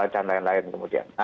dan lain lain kemudian